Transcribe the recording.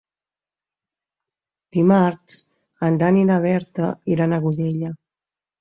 Dimarts en Dan i na Berta iran a Godella.